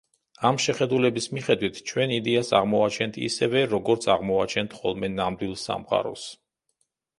ამ შეხედულების მიხედვით ჩვენ იდეას აღმოვაჩენთ ისევე როგორც აღმოვაჩენთ ხოლმე ნამდვილ სამყაროს.